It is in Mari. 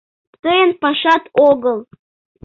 Тыйын пашат огыл.